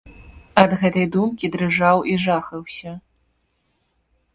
Ад гэтай думкі дрыжаў і жахаўся.